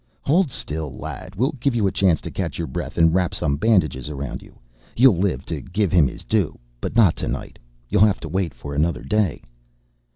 "Hold still, lad. We'll give you a chance to catch your breath and wrap some bandages around you. You'll live to give him his due, but not tonight. You'll have to wait for another day."